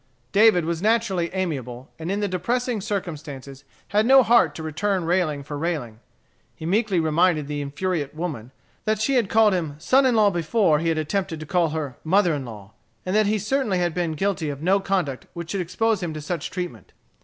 David was naturally amiable, and in the depressing circumstances had no heart to return railing for railing. He meekly reminded the infuriate woman that she had called him "son in law" before he had attempted to call her "mother in law," and that he certainly had been guilty of no conduct which should expose him to such treatment.